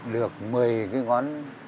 được một mươi cái ngón